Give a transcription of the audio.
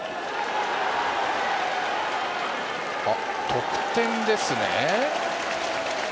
得点ですね！